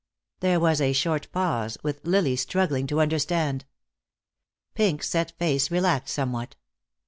There was a short pause, with Lily struggling to understand. Pink's set face relaxed somewhat.